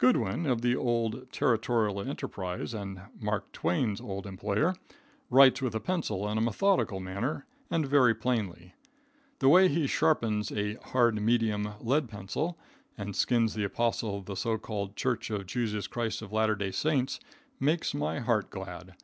Goodwin, of the old Territorial Enterprise, and Mark Twain's old employer, writes with a pencil in a methodical manner and very plainly. The way he sharpens a "hard medium" lead pencil and skins the apostle of the so called Church of Jesus Christ of Latter Day Saints, makes my heart glad.